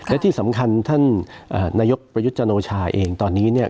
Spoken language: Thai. แต่ที่สำคัญท่านนายกประยุจจโนชาเองตอนนี้